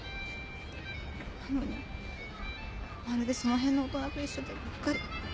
なのにまるでその辺の大人と一緒でがっかり。